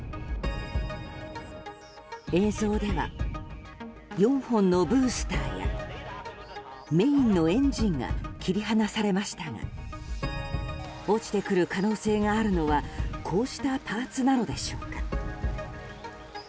映像では４本のブースターやメインのエンジンが切り離されましたが落ちてくる可能性があるのはこうしたパーツなのでしょうか。